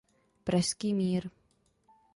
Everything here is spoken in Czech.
Pražský mír.